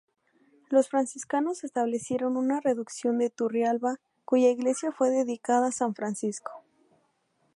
Los franciscanos establecieron una reducción en Turrialba, cuya iglesia fue dedicada a San Francisco.